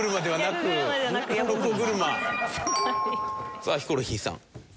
さあヒコロヒーさん。